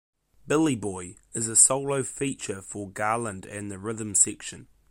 "Billy Boy" is a solo feature for Garland and the rhythm section.